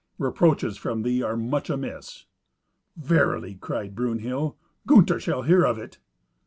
Reproaches from thee are much amiss." "Verily," cried Brunhild, "Gunther shall hear of it."